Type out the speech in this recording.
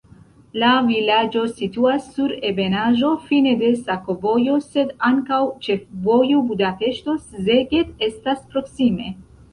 La vilaĝo situas sur ebenaĵo, fine de sakovojo, sed ankaŭ ĉefvojo Budapeŝto-Szeged estas proksime.